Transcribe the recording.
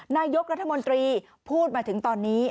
นายกรัฐมนตรีพูดมาถึงตอนนี้